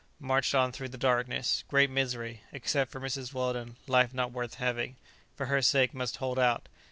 Marched on through the darkness. Great misery. Except for Mrs. Weldon, life not worth having; for her sake must hold out.